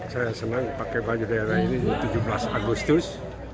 saya senang pakai baju daerah ini tujuh belas agustus